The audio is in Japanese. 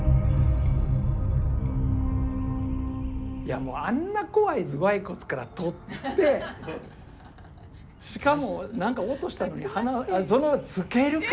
いやもうあんな怖い頭蓋骨から取ってしかも何か音したのにそのままつけるか？